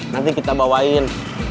nanti kita bawain